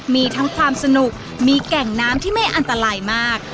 มีทั้งความสนุกมีแก่งน้ำที่ไม่อันตรายมาก